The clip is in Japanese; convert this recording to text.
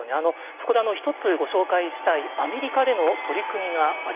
そこで一つご紹介したいアメリカでの取り組みがあります。